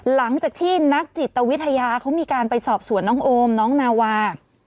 หลังจากที่นักจิตวิทยาเขามีการไปสอบสวนน้องโอมน้องนาวา